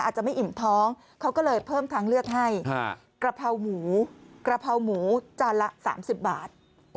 อาจจะไม่อิ่มท้องเขาก็เลยเพิ่มทางเลือกให้กระเพราหมูกระเพราหมูจานละ๓๐บาท